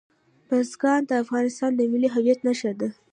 بزګان د افغانستان د ملي هویت نښه ده.